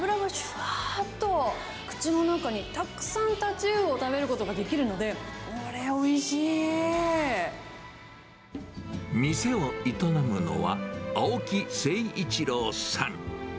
わーっと口の中にたくさんタチウオを食べることができる店を営むのは、青木征一郎さん。